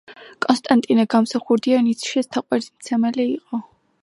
კონსტანტინე გამსახურდია ნიცშეს თაყვანისმცემელი იყო.